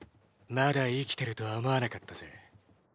まだ生きてるとは思わなかったぜ。